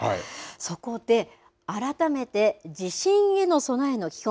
そこで改めて地震への備えの基本。